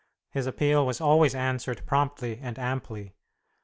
His appeal was always answered promptly and amply.